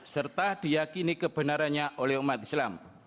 serta diyakini kebenarannya oleh umat islam